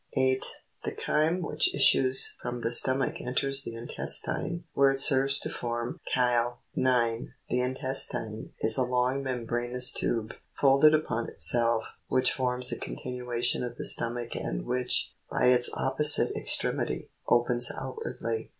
8. The chyme which issues from the stomach enters the intes tine where it serves to form chyle. 9. The infest tin '(page 67 .fig. 23,) is a long membraneous tube, folded upon itself, which forms a continuation of the stomach and which, by its opposite extremity, opens outwardly.